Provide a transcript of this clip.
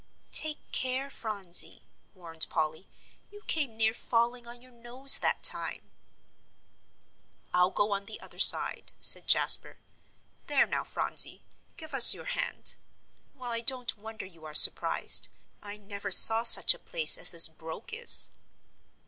"Take care, Phronsie," warned Polly, "you came near falling on your nose that time." "I'll go on the other side," said Jasper; "there, now, Phronsie, give us your hand. Well, I don't wonder you are surprised. I never saw such a place as this Broek is."